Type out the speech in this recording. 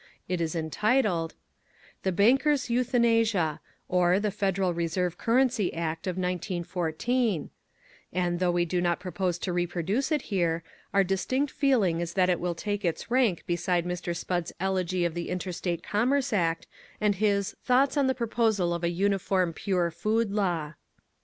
It is entitled: THE BANKER'S EUTHANASIA: OR, THE FEDERAL RESERVE CURRENCY ACT OF 1914, and, though we do not propose to reproduce it here, our distinct feeling is that it will take its rank beside Mr. Spudd's Elegy on the Interstate Commerce Act, and his Thoughts on the Proposal of a Uniform Pure Food Law.